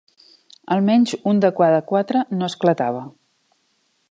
Almenys un de cada quatre no esclatava